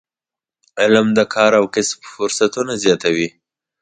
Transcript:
علم د کار او کسب فرصتونه زیاتوي.